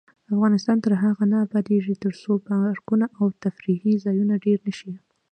افغانستان تر هغو نه ابادیږي، ترڅو پارکونه او تفریح ځایونه ډیر نشي.